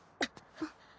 あっ。